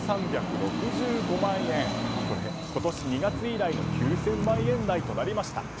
これ、今年２月以来の９０００万円台となりました。